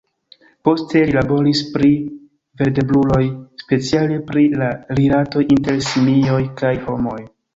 Poste, li laboris pri vertebruloj, speciale pri la rilatoj inter simioj kaj homoj.